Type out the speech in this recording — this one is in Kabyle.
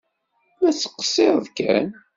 La ttqeṣṣireɣ kan!